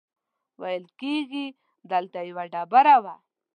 ویل کېږي دلته یوه ډبره وه.